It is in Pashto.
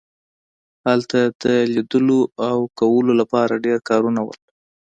هلته د لیدلو او کولو لپاره ډیر کارونه وو